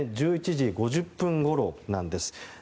１１時５０分ごろなんです。